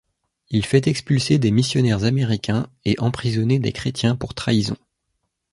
Il fait expulser des missionnaires américains et emprisonner des chrétiens pour trahison.